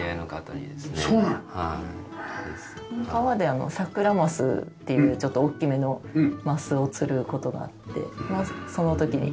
川でサクラマスっていうちょっと大きめのマスを釣る事があってその時に。